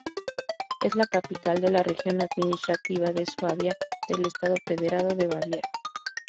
Es la capital de la región administrativa de Suabia del estado federado de Baviera.